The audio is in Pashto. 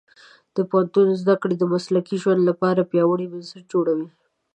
د پوهنتون زده کړې د مسلکي ژوند لپاره پیاوړي بنسټ جوړوي.